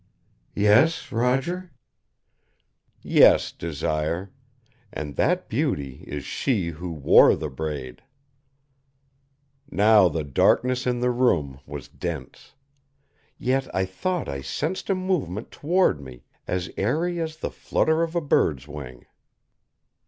"Yes, Roger?" "Yes, Desire. And that beauty is she who wore the braid." Now the darkness in the room was dense. Yet I thought I sensed a movement toward me as airy as the flutter of a bird's wing.